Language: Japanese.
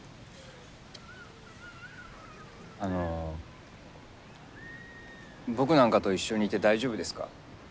あの僕なんかと一緒にいて大丈夫ですか？